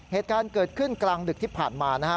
เหตุการณ์เกิดขึ้นกลางดึกที่ผ่านมานะครับ